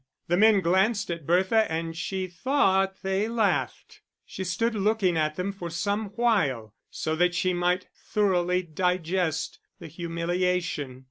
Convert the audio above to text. The men glanced at Bertha, and she thought they laughed; she stood looking at them for some while so that she might thoroughly digest the humiliation.